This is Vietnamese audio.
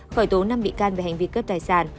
khởi tố năm bị can về hành vi cướp tài sản